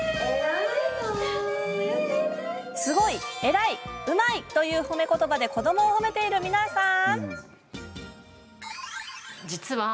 すごい、えらい、うまいという褒め言葉で子どもを褒めている皆さん。